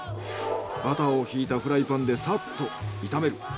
バターをひいたフライパンでさっと炒める。